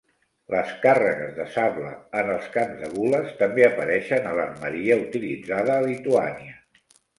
Les càrregues de sable en els camps de gules també apareixen a l'armeria utilitzada a Lituània.